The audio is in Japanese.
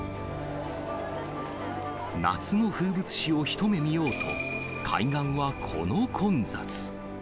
夏の風物詩を一目見ようと、海岸はこの混雑。